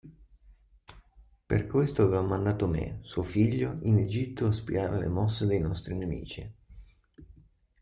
Per questo aveva mandato me, suo figlio, in Egitto a spiare le mosse dei nostri nemici.